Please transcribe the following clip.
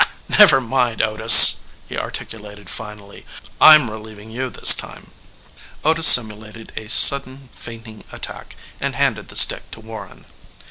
"Never mind, Otis," he articulated finally. "I'm relieving you this time." Otis simulated a sudden fainting attack and handed the stick to Warren.